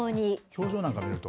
表情なんか見ると。